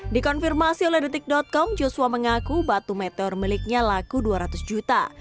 dikonfirmasi oleh detik com joshua mengaku batu meteor miliknya laku dua ratus juta